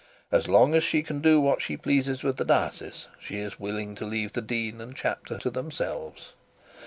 As long as she can do what she pleases with the diocese, she is willing to leave the dean and chapter to themselves.